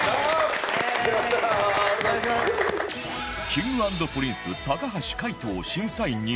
Ｋｉｎｇ＆Ｐｒｉｎｃｅ 橋海人を審査員に迎え